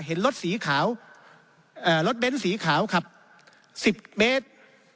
เห็นรถสีขาวรถเบ้นสีขาวขับ๑๐เมตร